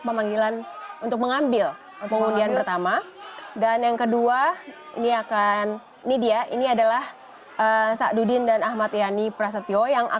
pemilihan umum di kpud kabupaten bekasi